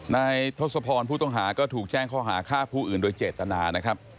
ทศพรผู้ต้องหาก็ถูกแจ้งข้อหาฆ่าผู้อื่นโดยเจตนานะครับ